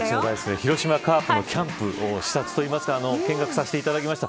広島カープのキャンプを視察というか見学させていただきました。